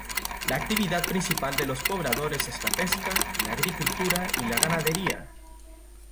La actividad principal de los pobladores es la pesca, la agricultura y la ganadería.